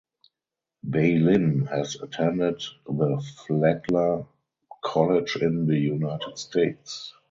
Beilin has attended the Flagler College in the United States.